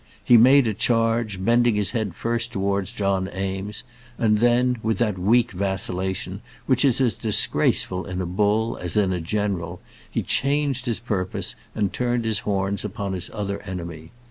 He made a charge, bending his head first towards John Eames, and then, with that weak vacillation which is as disgraceful in a bull as in a general, he changed his purpose, and turned his horns upon his other enemy.